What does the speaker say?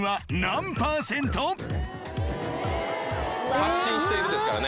「配信している」ですからね。